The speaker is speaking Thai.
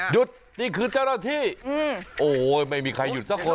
นี่คือเจ้าหน้าที่โอ้ยไม่มีใครหยุดสักคน